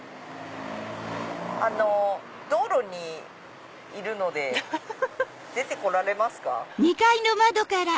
あの道路にいるので出て来られますか？